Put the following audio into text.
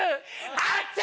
あっちゃ！